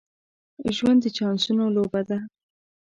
ژوند د چانسونو لوبه ده.